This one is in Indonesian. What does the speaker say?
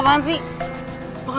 tantangin lu ya